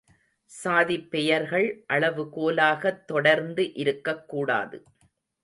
சாதிப் பெயர்கள் அளவு கோலாகத் தொடர்ந்து இருக்கக் கூடாது.